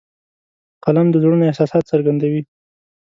قلم د زړونو احساسات څرګندوي